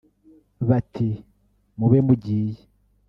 Bati mube mugiye